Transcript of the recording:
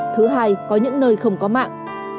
thứ hai có những nơi không có mạng